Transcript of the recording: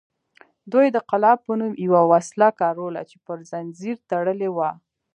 دوی د قلاب په نوم یوه وسله کاروله چې پر زنځیر تړلې وه